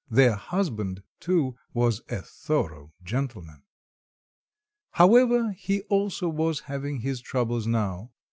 Their husband, too, was a thorough gentleman. However, he also was having his troubles now.